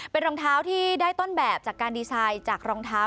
เป็นรองเท้าที่ได้ต้นแบบจากการดีไซน์จากรองเท้า